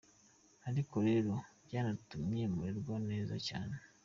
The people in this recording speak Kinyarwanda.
ariko rero byanatumye mererwa neza cyane!".